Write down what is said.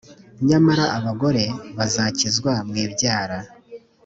nyamara abagore bazakizwa mu ibyara